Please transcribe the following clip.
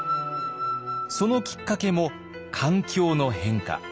そのきっかけも環境の変化。